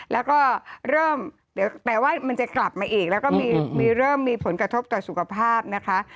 แล้วก็เริ่มเดี๋ยวแปลว่ามันจะกลับมาอีกแล้วก็มีเริ่มมีผลกระทบต่อสุขภาพนะคะ